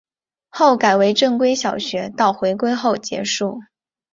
后改为正规小学到回归后结束。